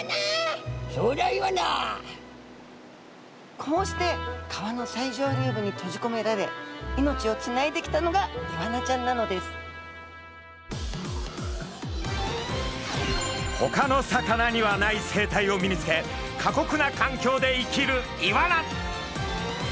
こうして川の最上流部に閉じこめられ命をつないできたのがイワナちゃんなのですほかの魚にはない生態を身につけ過酷な環境で生きるイワナ。